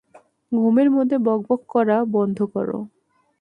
ঘুমের মধ্যে বকবক করা বন্ধ কর।